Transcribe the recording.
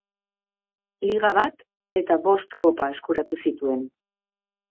Liga bat eta bost kopa eskuratu zituen.